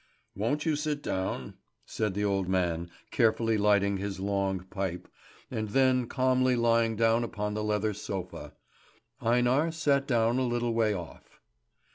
"Won't you sit down?" said the old man, carefully lighting his long pipe, and then calmly lying down upon the leather sofa. Einar sat down a little way off.